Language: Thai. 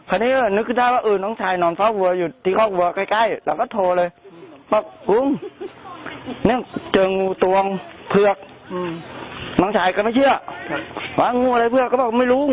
อันนี้แค่นึกได้